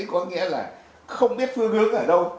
có nghĩa là không biết phương hướng ở đâu